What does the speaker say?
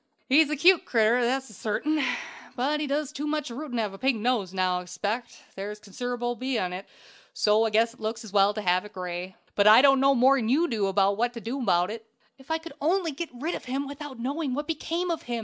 "He's a cute critter, that's sartain; but he does too much rootin' to have a pink nose now, I expect; there's consider'ble on 't, so I guess it looks as well to have it gray. But I don't know no more'n you do what to do abaout it." "If I could only get rid of him without knowing what became of him!"